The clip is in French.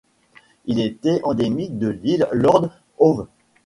Elle était endémique à l'île Lord Howe.